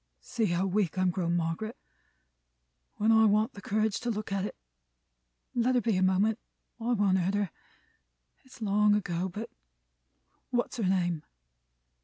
"See how weak I'm grown, Margaret, when I want the courage to look at it! Let her be, a moment. I won't hurt her. It's long ago, but What's her name?"